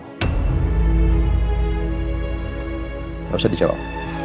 tidak usah dijawab